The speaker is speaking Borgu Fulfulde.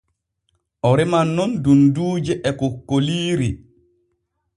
O reman nun dunduuje e kokkoliiri.